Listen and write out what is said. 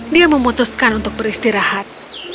dia memutuskan untuk beristirahat